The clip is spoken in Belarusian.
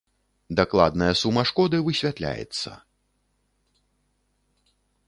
Дакладная сума шкоды высвятляецца.